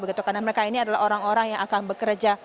karena mereka ini adalah orang orang yang akan bekerja